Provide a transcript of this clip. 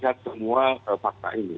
dan kami akan melakukan otopsi